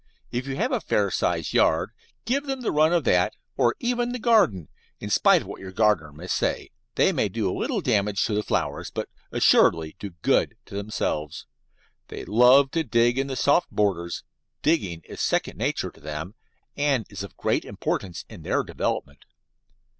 If you have a fair sized yard, give them the run of that, or even the garden, in spite of what your gardener may say they may do a little damage to the flowers, but will assuredly do good to themselves. They love to dig in the soft borders: digging is second nature to them, and is of great importance in their development.